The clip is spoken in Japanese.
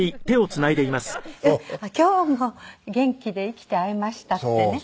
今日も元気で生きて会えましたってね